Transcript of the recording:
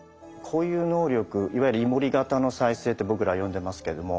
こういう能力いわゆる「イモリ型の再生」って僕らは呼んでますけども。